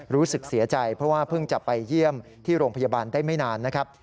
รู้สึกเสียใจเพราะว่าเพิ่งจะไปเยี่ยมที่โรงพยาบาลได้ไม่นานนะครับ